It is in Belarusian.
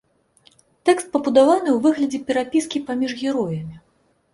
Тэкст пабудаваны ў выглядзе перапіскі паміж героямі.